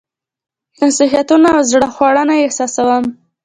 نصيحتونه او زړه خوړنه یې احساسوم.